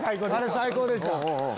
最高でした。